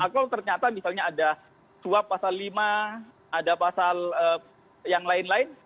kalau ternyata misalnya ada suap pasal lima ada pasal yang lain lain